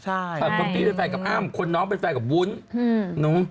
อันนี้เป็นแฟนกับอ้ามคนน้องเป็นแฟนกับวุ้น